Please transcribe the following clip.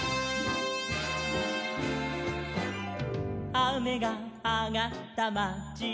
「あめがあがったまちに」